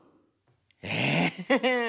ええ！？